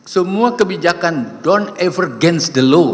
semua kebijakan don t ever against the law